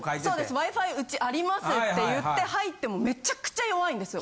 Ｗｉ−Ｆｉうちありますって言って入ってもめちゃくちゃ弱いんですよ。